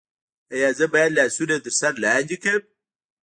ایا زه باید لاسونه تر سر لاندې کړم؟